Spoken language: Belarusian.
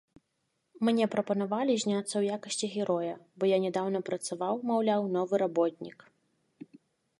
Мне прапанавалі зняцца ў якасці героя, бо я нядаўна працаваў, маўляў, новы работнік.